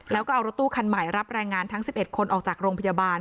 แล้วก็เอารถตู้คันใหม่รับแรงงานทั้ง๑๑คนออกจากโรงพยาบาล